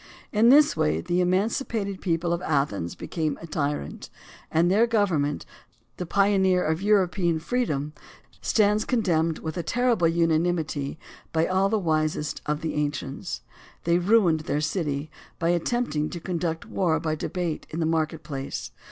In this way the emancipated people of Athens became a tyrant; and their government, the pioneer of European freedom, stands condemned with a terrible unanimity by all the wisest of the ancients. They ruined their city by attempting to conduct war by debate in the market place.